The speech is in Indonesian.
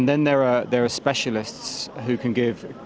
dan ada juga para spesialis yang bisa memberikan